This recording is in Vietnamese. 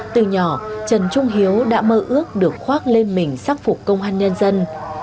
từ nhỏ trần trung hiếu đã mơ ước được khoác lên mình sắc phục công an